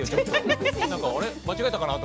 間違えたのかなと。